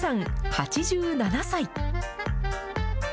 ８７歳。